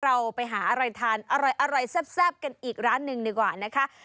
เราไปหาอะไรทานอร่อยแซ่บกันอีกร้านหนึ่งดีกว่านะคะ